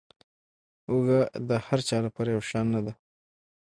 هوږه د هر چا لپاره یو شان نه ده.